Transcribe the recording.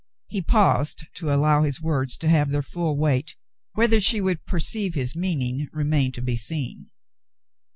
^ He paused to allow his words to have their full weight. Whether she would perceive his meaning remained to be seen.